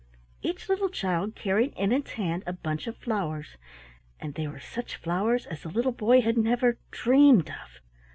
Each little child carried in its hand a bunch of flowers, and they were such flowers as the little boy had never dreamed of.